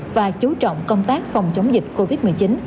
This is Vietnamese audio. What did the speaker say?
và chú trọng công tác phòng chống dịch covid một mươi chín